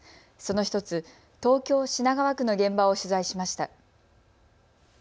その１つ、東京品川区の現場を取材しました。